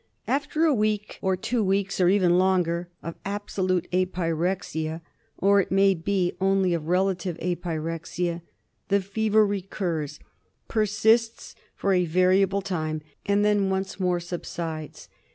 After a week or two weeks, or even longer, of absolute apyrexia, or it may be only of relative apyrexia, the fever recurs, persists for a variable time, and then once more subsides.